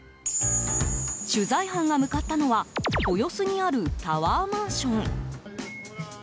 取材班が向かったのは豊洲にあるタワーマンション。